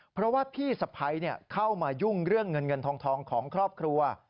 เพราะว่าพี่สะพ้ายเข้ามายุ่งเรื่องเงินเงินทองของครอบครัว